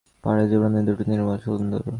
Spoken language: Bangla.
পায়ে জুতো নেই, দুটি পা নির্মল সুন্দর।